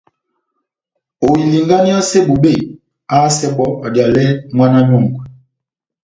Ohilinganiyase bobé, ahásɛ bɔ́ adiyalɛ mwána nyɔ́ngwɛ.